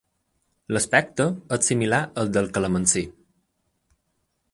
L'aspecte és similar al del calamansí.